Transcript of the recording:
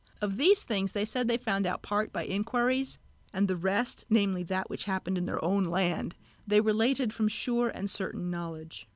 Of these things they said that they found out part by inquiries, and the rest, namely that which happened in their own land, they related from sure and certain knowledge.